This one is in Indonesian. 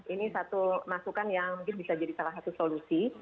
ini satu masukan yang mungkin bisa jadi salah satu solusi